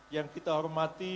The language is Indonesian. yang kita hormati